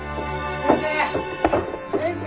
・先生！